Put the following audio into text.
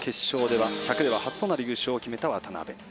１００では初となる優勝を決めた渡辺。